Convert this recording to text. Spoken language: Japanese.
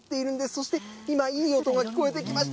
そして今、いい音が聞こえてきました。